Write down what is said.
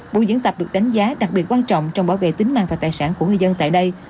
buổi diễn tập được đánh giá đặc biệt quan trọng trong bảo vệ tính mạng và tài sản của người dân tại đây